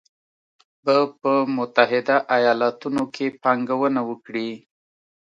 به په متحدو ایالتونو کې پانګونه وکړي